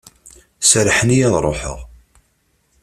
Serrḥen-iyi ad ruḥeɣ.